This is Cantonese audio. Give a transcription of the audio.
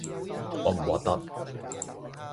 核唔核突？